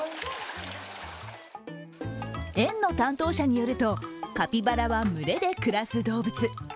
園の担当者によると、カピバラは群れで暮らす動物。